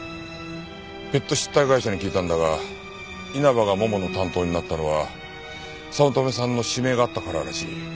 ペットシッター会社に聞いたんだが稲葉がももの担当になったのは早乙女さんの指名があったかららしい。